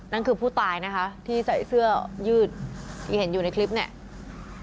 นั่นคือผู้ตายนะคะที่ใส่เสื้อยืดที่เห็นอยู่ในคลิปเนี่ย